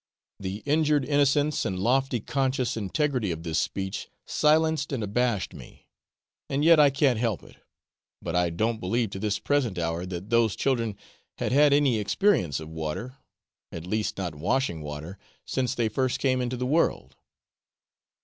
The injured innocence and lofty conscious integrity of this speech silenced and abashed me; and yet I can't help it, but I don't believe to this present hour that those children had had any experience of water, at least not washing water, since they first came into the world.